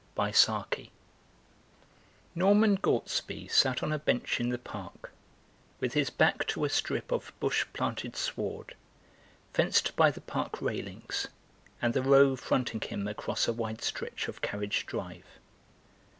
DUSK Norman Gortsby sat on a bench in the Park, with his back to a strip of bush planted sward, fenced by the park railings, and the Row fronting him across a wide stretch of carriage drive.